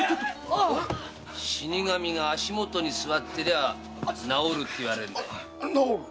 死神が足元に座ってりゃあ治るっていわれてんだ。